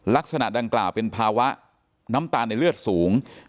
ลักษณะดังกล่าวเป็นภาวะน้ำตาลในเลือดสูง